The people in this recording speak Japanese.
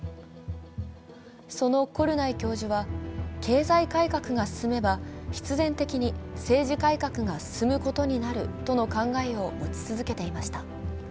そのコルナイ教授は、経済改革が進めば必然的に政治改革が進むことになるとの考えを持ち続けていました。